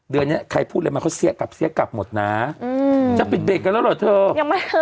เดือนนี้ใครพูดอะไรมาเขาเสี้ยกลับเสี้ยกลับหมดนะจะปิดเบรกกันแล้วเหรอเธอยังไม่เจอ